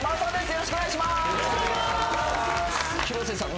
よろしくお願いします